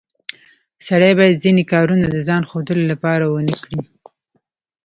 سړی باید ځینې کارونه د ځان ښودلو لپاره ونه کړي